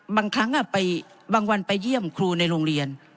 บางครั้งบางวันไปเยี่ยมครูในโรงเรียน